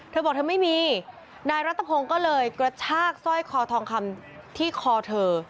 เธอบอกเธอไม่มีนายรัฐพงศ์ก็เลยกระชากสร้อยคอทองคำที่คอเธอ